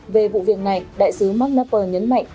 về vụ việc này đại sứ mark knapper nhấn mạnh